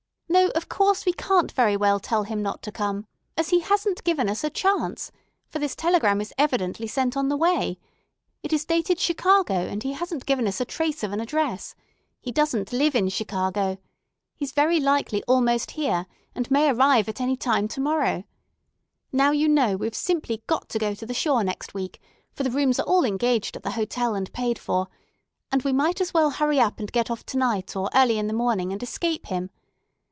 "No, of course we can't very well tell him not to come, as he hasn't given us a chance; for this telegram is evidently sent on the way. It is dated 'Chicago,' and he hasn't given us a trace of an address. He doesn't live in Chicago. He's very likely almost here, and may arrive any time to morrow. Now you know we've simply got to go to the shore next week, for the rooms are all engaged at the hotel, and paid for; and we might as well hurry up and get off to night or early in the morning, and escape him.